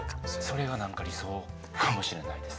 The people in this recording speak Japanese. それが何か理想かもしれないです。